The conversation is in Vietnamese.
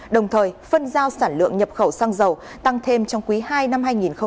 đồng thời phân giao sản lượng nhập khẩu xăng dầu tăng thêm trong quý ii năm hai nghìn hai mươi